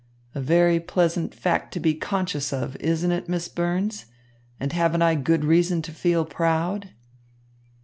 A very pleasant fact to be conscious of, isn't it, Miss Burns, and haven't I good reason to feel proud?"